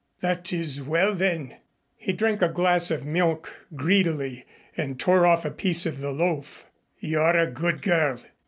"That is well, then." He drank a glass of milk greedily and tore off a piece of the loaf. "You are a good girl.